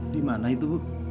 di mana itu bu